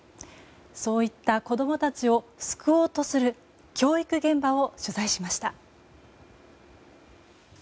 そういった子供たちを救おうとする教育現場を取材しました。